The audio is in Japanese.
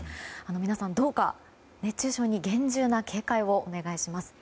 皆さんどうか熱中症に厳重な警戒をお願いします。